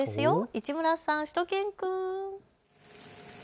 市村さん、しゅと犬くん。